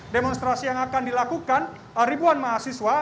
demonstrasi yang akan dilakukan ribuan mahasiswa